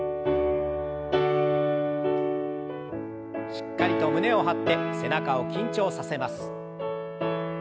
しっかりと胸を張って背中を緊張させます。